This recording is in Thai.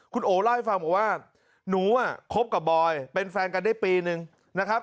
คุณโอเล่าให้ฟังบอกว่าหนูคบกับบอยเป็นแฟนกันได้ปีนึงนะครับ